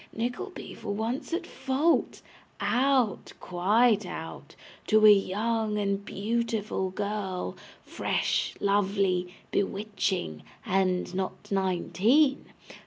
Mr. Nickleby for once at fault; out, quite out! To a young and beautiful girl; fresh, lovely, bewitching, and not nineteen.